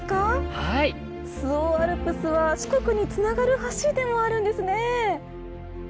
はい周防アルプスは四国につながる橋でもあるんですね